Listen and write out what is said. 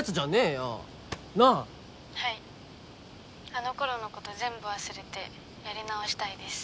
あの頃のこと全部忘れてやり直したいです。